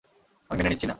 আমি মেনে নিচ্ছি না।